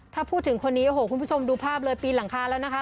ถ้าพูดถึงคนนี้คุณผู้ชมดูภาพปีหลังคาแล้วนะคะ